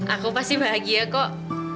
aku pasti bahagia kok